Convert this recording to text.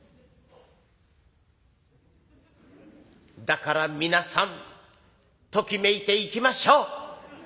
だから皆さんときめいていきましょう。